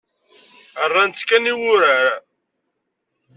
Rran-tt kan i wurar.